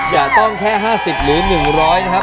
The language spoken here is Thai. อย่าต้องแค่๕๐หรือ๑๐๐นะครับ